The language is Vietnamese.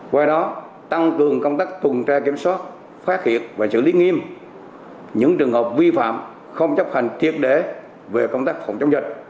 qua đó tăng cường công tác tuần tra kiểm soát phát hiện và xử lý nghiêm những trường hợp vi phạm không chấp hành triết đế về công tác phòng chống dịch